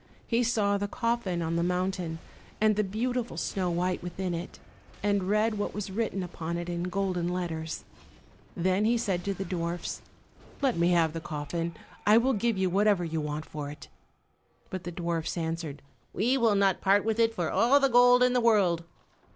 He saw the coffin on the mountain, and the beautiful Snow white within it, and read what was written upon it in golden letters. Then he said to the dwarfs, "Let me have the coffin, I will give you whatever you want for it." But the dwarfs answered, "We will not part with it for all the gold in the world."